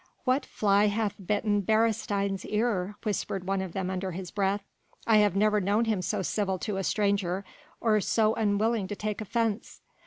"What fly hath bitten Beresteyn's ear?" whispered one of them under his breath. "I have never known him so civil to a stranger or so unwilling to take offence."